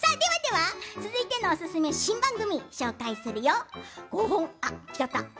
ではでは続いてもおすすめで新番組紹介するよ。